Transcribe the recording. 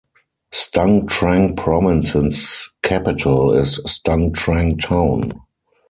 Stung Treng Province's capital is Stung Treng town.